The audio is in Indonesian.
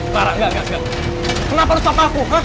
para enggak enggak kenapa lo sapa aku